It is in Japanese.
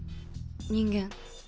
人間。